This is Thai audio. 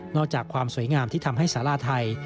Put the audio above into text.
อกจากความสวยงามที่ทำให้สาราไทย